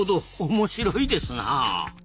面白いですなあ。